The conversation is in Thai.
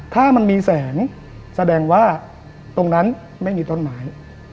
ถ้ามันมีแสงแสดงว่าตรงนั้นไม่มีต้นไม้